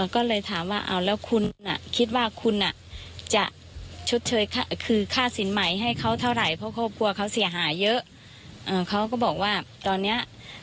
เค้าสู้โชคชาติได้ที่๒๐๐๐๐๐